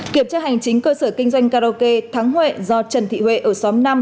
kiểm tra hành chính cơ sở kinh doanh karaoke thắng huệ do trần thị huệ ở xóm năm